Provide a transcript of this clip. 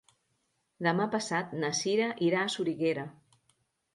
Demà passat na Cira irà a Soriguera.